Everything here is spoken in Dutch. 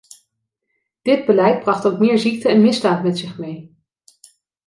Dit beleid bracht ook meer ziekten en misdaad met zich mee.